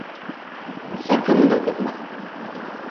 Sakın dokunma!